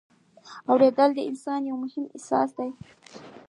اورېدل د انسان یو مهم حس دی.